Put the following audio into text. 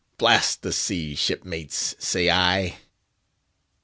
Blast the sea, shipmates! say I."